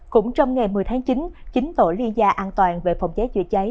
cũng trong ngày một mươi tháng chín chín tổ liên gia an toàn về phòng cháy chữa cháy